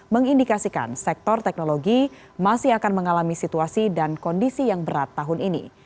mengindikasikan sektor teknologi masih akan mengalami situasi dan kondisi yang berat tahun ini